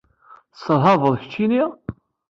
Tesserhabeḍ, keččini!